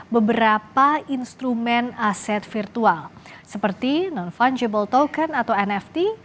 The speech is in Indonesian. beberapa instrumen aset virtual seperti non fungible token atau nft